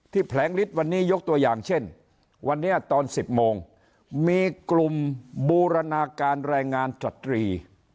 แผลงฤทธิ์วันนี้ยกตัวอย่างเช่นวันนี้ตอน๑๐โมงมีกลุ่มบูรณาการแรงงานจตรี